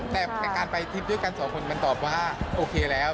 แต่การไปทริปด้วยกันสองคนมันตอบว่าโอเคแล้ว